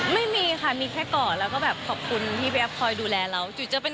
ไม่มีค่ะมีแค่กอดแล้วก็แบบขอบคุณที่พี่แอฟคอยดูแลเราจุ๋ยจะเป็น